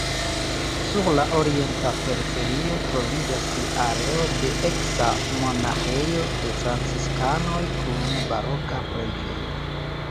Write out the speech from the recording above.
Sur la orienta periferio troviĝas areo de eksa monaĥejo de franciskanoj kun baroka preĝejo.